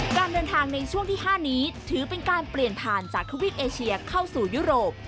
การเดินทางในช่วงที่๕นี้ถือเป็นการเปลี่ยนผ่านจากทวีปเอเชียเข้าสู่ยุโรป